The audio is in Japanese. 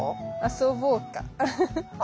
遊ぼうか。